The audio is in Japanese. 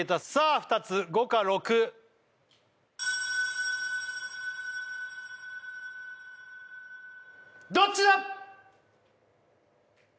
２つ５か６どっちだ！